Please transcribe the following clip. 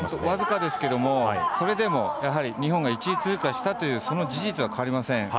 僅かですがそれでも、やはり日本が１位通過したというその事実は変わりません。